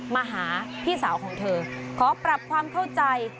มาหาพี่สาวของเธอขอปรับความเข้าใจ